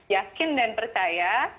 yakin dan percaya